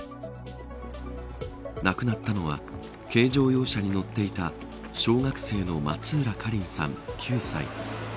亡くなったのは軽乗用車に乗っていた小学生の松浦華梨さん、９歳。